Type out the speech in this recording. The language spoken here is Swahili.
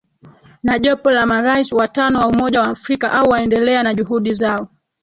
na jopo la marais watano wa umoja wa afrika au waendelea na juhudi zao